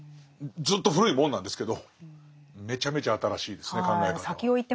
ずっと古いもんなんですけどめちゃめちゃ新しいですね考え方が。